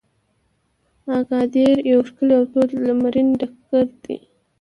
اګادیر یو ښکلی او تود لمرین ډګر دی.